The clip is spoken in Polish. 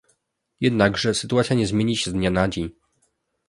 Jednakże, sytuacja nie zmieni się z dnia na dzień